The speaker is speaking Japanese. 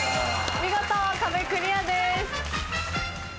見事壁クリアです。